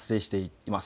思います。